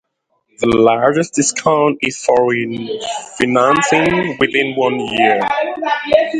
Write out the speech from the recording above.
The largest discount is for refinancing within one year.